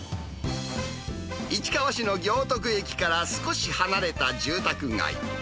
市川市の行徳駅から少し離れた住宅街。